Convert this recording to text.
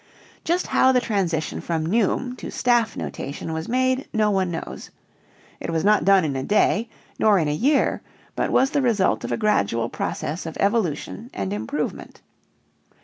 Just how the transition from neume to staff notation was made no one knows: it was not done in a day nor in a year but was the result of a gradual process of evolution and improvement.